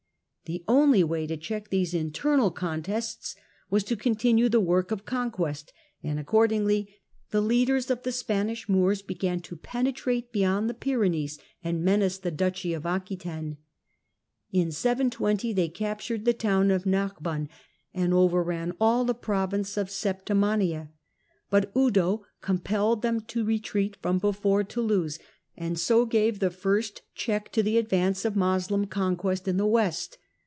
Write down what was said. The only way p check these internal contests was to continue the pork of conquest, and accordingly the leaders of the Bpanish Moors began to penetrate beyond the Pyrenees Lnd menace the Duchy of Aquetaine. In 720 they [aptured the town of Narbonne and overran all the Province of Septimania. But FTudo compelled them to [etreat from before Toulouse, and so gave the first check p the advance of Moslem conquest in the West.